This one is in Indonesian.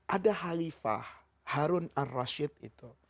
ada halifah harun ar rashid itu